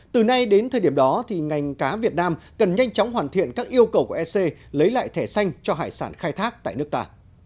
từ nay đến thời điểm đó ngành cá việt nam cần nhanh chóng hoàn thiện các yêu cầu của ec lấy lại thẻ xanh cho hải sản khai thác tại nước ta